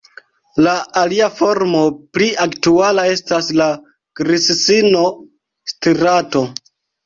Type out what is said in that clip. La alia formo pli aktuala estas la "grissino stirato".